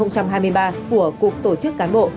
của cục tổ chức cán bộ